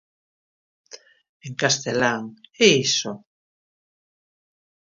En castelán, ¿e iso?